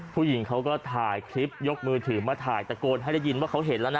ผู้หญิงเขาก็ถ่ายคลิปยกมือถือมาถ่ายตะโกนให้ได้ยินว่าเขาเห็นแล้วนะ